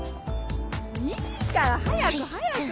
いいから！早く早く！